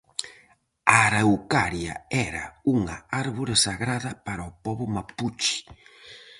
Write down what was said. A araucaria era unha árbore sagrada para o pobo mapuche.